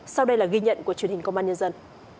sau đây là ghi nhận của truyền hình công an nhân dân